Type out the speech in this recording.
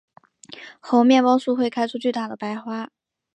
猴面包树会开出巨大的白花。